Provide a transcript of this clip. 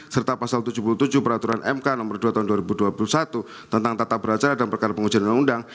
serta pasal tujuh puluh tujuh peraturan mk nomor dua tahun dua ribu dua puluh satu tentang tata beracara dan perkara pengujian undang undang